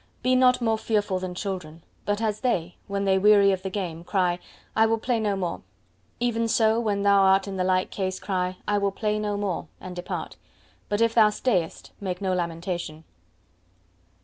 Be not more fearful than children; but as they, when they weary of the game, cry, "I will play no more," even so, when thou art in the like case, cry, "I will play no more" and depart. But if thou stayest, make no lamentation.